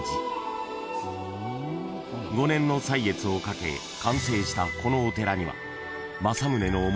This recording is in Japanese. ［５年の歳月をかけ完成したこのお寺には］